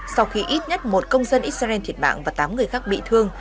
sau khi ít nhất một công dân israel thiệt mạng và tám người khác bị thương